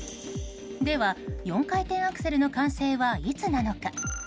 では４回転アクセルの完成はいつなのか。